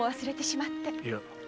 いや。